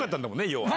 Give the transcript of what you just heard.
要は。